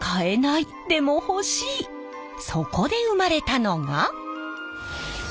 そこで生まれたのが。